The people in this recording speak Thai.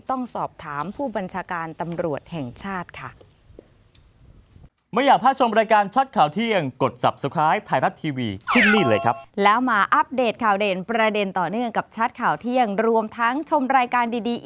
ต้องสอบถามผู้บัญชาการตำรวจแห่งชาติค่ะ